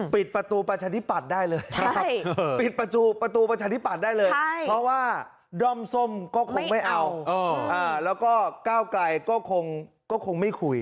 ปิดประตูประชาธิปัตย์ได้เลยเพราะว่าดรอมส้มก็คงไม่เอาแล้วก็ก้าวไกลก็คงไม่คุย